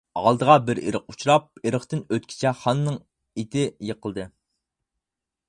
ئالدىغا بىر ئېرىق ئۇچراپ، ئېرىقتىن ئۆتكىچە خاننىڭ ئېتى يىقىلدى.